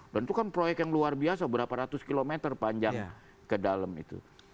itu kan proyek yang luar biasa berapa ratus km panjang ke dalam itu